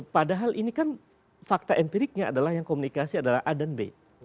padahal ini kan fakta empiriknya adalah yang komunikasi adalah a dan b